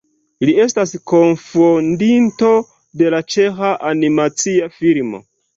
Li estas kunfondinto de la Ĉeĥa Animacia Filmo.